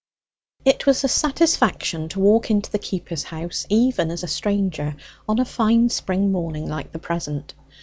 It was a satisfaction to walk into the keeper's house, even as a stranger, on a fine spring morning like the present.